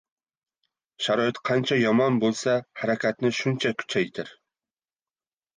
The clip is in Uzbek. Sharoit qancha yomon boʻlsa, harakatni shuncha kuchaytir.